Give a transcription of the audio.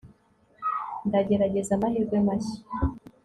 ndagerageza amahirwe mashya